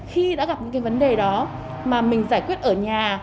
khi đã gặp những cái vấn đề đó mà mình giải quyết ở nhà